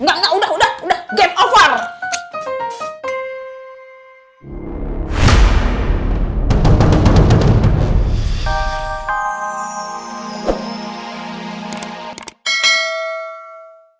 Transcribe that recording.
nggak nggak udah udah udah game over